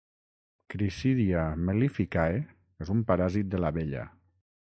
"Crithidia mellificae", és un paràsit de l'abella.